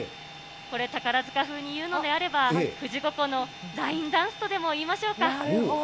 これ、宝塚風に言うのであれば、富士五湖のラインダンスとでもいいましょうか。